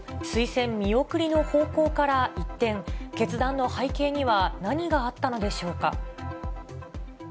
推薦見送りの方向から一転、決断の背景には何があったのでしょうか。